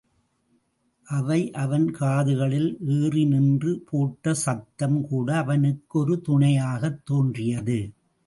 அவை அவன் காதுகளில் ஏறி நின்று போட்ட சத்தம் கூட அவனுக்கு ஒரு துணையாகத் தோன்றியது.